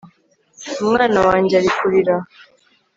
umwana wanjye ari kurira